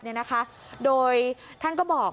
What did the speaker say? เนี่ยนะคะโดยท่านก็บอก